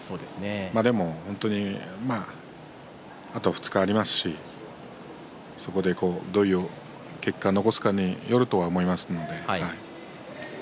でも、あと２日ありますしそこで、どういう結果を残すかによると思いますので。